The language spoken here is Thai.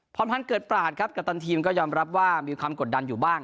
พรพันธ์เกิดปราศครับกัปตันทีมก็ยอมรับว่ามีความกดดันอยู่บ้าง